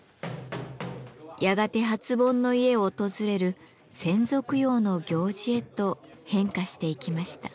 やがて初盆の家を訪れる先祖供養の行事へと変化していきました。